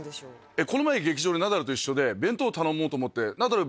この前劇場でナダルと一緒で弁当頼もうと思って。